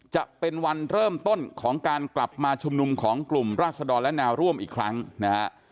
จะเป็นวันเริ่มต้นของการกลับมาชุมนุมของกลุ่มราศดรและแนวร่วมอีกครั้งนะฮะ